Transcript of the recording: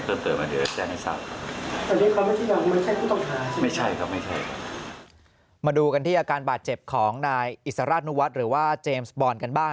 คือเขาได้พูดมั้ยว่าเขาเห็นเหตุการณ์หรือไม่เห็นเหตุการณ์